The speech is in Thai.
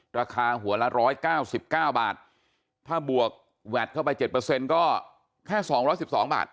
ราคาหัวละร้อยเก้าสิบเก้าบาทถ้าบวกแวดเข้าไปเจ็ดเปอร์เซ็นต์ก็แค่สองร้อยสิบสองบาท